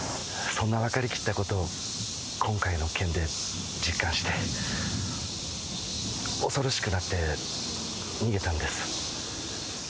そんな分かりきったことを今回の件で実感して恐ろしくなって逃げたんです